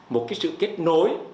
một cái sự kết nối